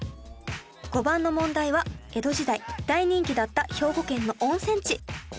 ５番の問題は江戸時代大人気だった兵庫県の温泉地